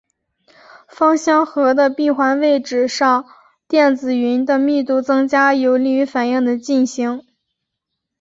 芳香核的闭环位置上电子云的密度增加有利于反应的进行。